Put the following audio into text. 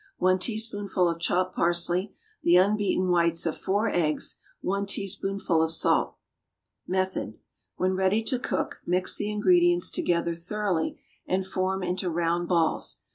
1 teaspoonful of chopped parsley. The unbeaten whites of 4 eggs. 1 teaspoonful of salt. Method. When ready to cook, mix the ingredients together thoroughly and form into round balls.